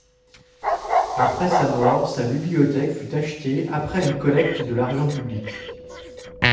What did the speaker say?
Après sa mort, sa bibliothèque fut achetée après une collecte de l'argent public.